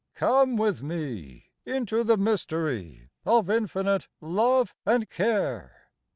Come with me into the mystery of infinite love and care.